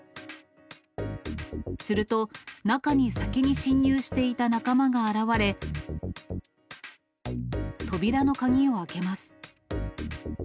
すると、中に先に侵入していた仲間が現れ、扉の鍵を開けます。